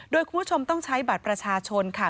โดยคุณผู้ชมต้องใช้บัตรประชาชนค่ะ